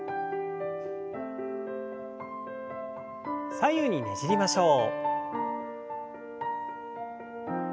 左右にねじりましょう。